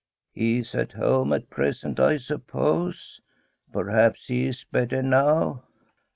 '* He is at home at present, I suppose ? Perhaps he is better now?'